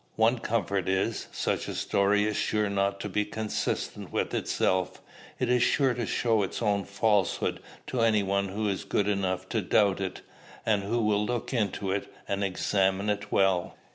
One comfort is, such a story is sure not to be consistent with itself; it is sure to show its own falsehood to any one who is good enough to doubt it, and who will look into it, and examine it well.